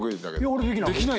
俺できない。